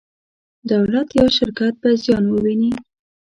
دولت یا شرکت به زیان وویني.